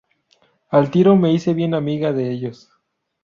Al tiro me hice bien amiga de ellos.